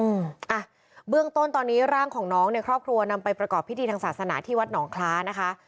อืมอ่ะเบื้องต้นตอนนี้ร่างของน้องเนี่ยครอบครัวนำไปประกอบพิธีทางศาสนาที่วัดหนองคล้านะคะ